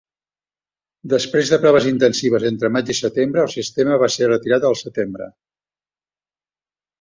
Després de proves intensives entre maig i setembre, el sistema va ser retirat al setembre.